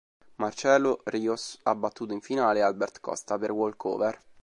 Marcelo Ríos ha battuto in finale Albert Costa per walkover.